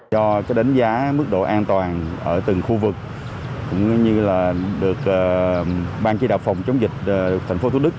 do đánh giá mức độ an toàn ở từng khu vực cũng như được ban chỉ đạo phòng chống dịch tp hcm